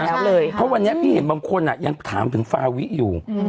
แต่ถ้าเจ้าลูกฟาวิมันถามถึงฟาวิอยู่